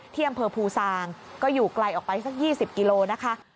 ที่อำเภอภูซางก็อยู่ไกลออกไปสัก๒๐กิโลนะคะ